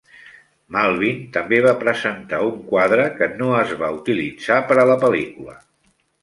Malvin també va presentar un quadre que no es va utilitzar per a la pel·lícula.